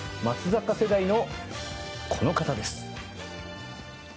松坂世代のこの方です。